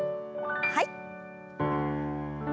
はい。